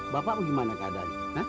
bapak gimana keadaan